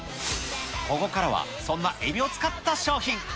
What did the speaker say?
ここからはそんなエビを使った商品。